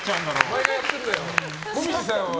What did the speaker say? お前がやってるんだろ。